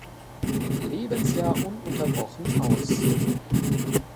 Lebensjahr ununterbrochen aus.